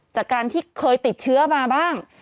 จากการที่เคยติดเชื้อมาบ้าง